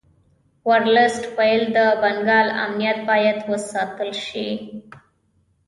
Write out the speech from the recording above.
ورلسټ ویل د بنګال امنیت باید وساتل شي.